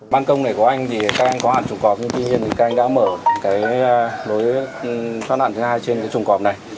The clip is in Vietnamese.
ban công này của anh thì các anh có hạn chuồng cọp tuy nhiên thì các anh đã mở cái lối thoát nạn thứ hai trên cái chuồng cọp này